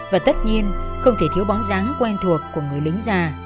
và tất nhiên không thể thiếu bóng dáng quen thuộc của người lính già